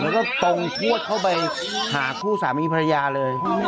แล้วก็ตรงพวดเข้าไปหาคู่สามีภรรยาเลย